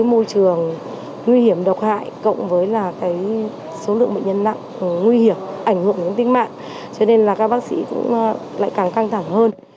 môi trường nguy hiểm độc hại cộng với số lượng bệnh nhân nặng nguy hiểm ảnh hưởng đến tính mạng cho nên là các bác sĩ cũng lại càng căng thẳng hơn